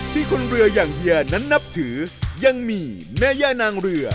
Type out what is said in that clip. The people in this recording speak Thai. ที่คนเรืออย่างเฮียนั้นนับถือยังมีแม่ย่านางเรือ